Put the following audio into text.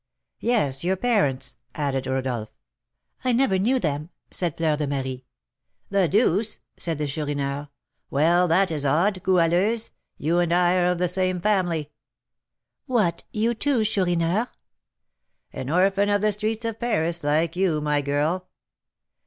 "Yes; your parents?" added Rodolph. "I never knew them," said Fleur de Marie. "The deuce!" said the Chourineur. "Well, that is odd, Goualeuse! you and I are of the same family." "What! you, too, Chourineur?" "An orphan of the streets of Paris like you, my girl."